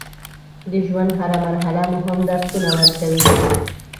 د ژوند هره مرحله مهم درسونه ورکوي.